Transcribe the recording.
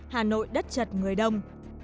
hà nội đất chật người đông